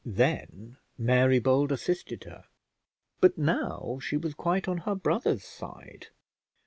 Then Mary Bold assisted her; but now she was quite on her brother's side.